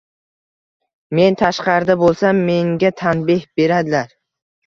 Men tashqarida boʻlsam menga tanbih beradilar